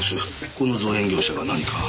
この造園業者が何か？